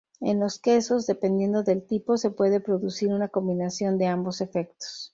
En los quesos, dependiendo del tipo, se puede producir una combinación de ambos efectos.